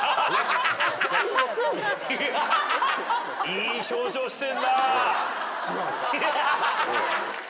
いい表情してんな。